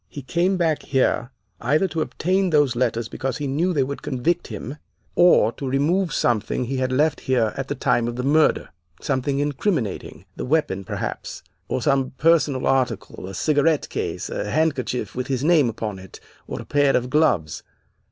He came back here either to obtain those letters because he knew they would convict him, or to remove something he had left here at the time of the murder, something incriminating, the weapon, perhaps, or some personal article; a cigarette case, a handkerchief with his name upon it, or a pair of gloves.